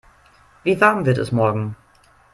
Wie warm wird es morgen?